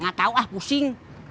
gak tau ah pusing